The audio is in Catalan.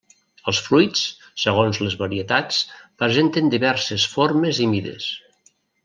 Els fruits, segons les varietats, presenten diverses formes i mides.